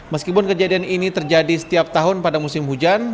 meskipun kejadian ini terjadi setiap tahun pada musim hujan